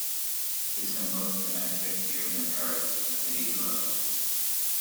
He spent most of the next six years in Paris, a city he loved.